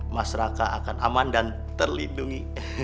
mas raka akan aman dan terlindungi